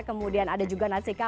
kemudian ada juga nasika